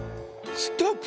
ストップ！